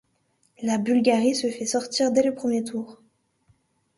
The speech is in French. La Bulgarie se fait sortir dès le premier tour.